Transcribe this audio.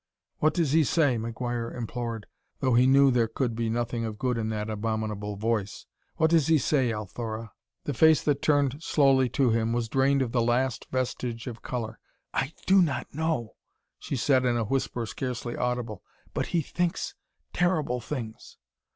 "What does he say?" McGuire implored, though he knew there could be nothing of good in that abominable voice. "What does he say, Althora?" The face that turned slowly to him was drained of the last vestige of color. "I do not know," she said in a whisper scarcely audible; "but he thinks terrible things!"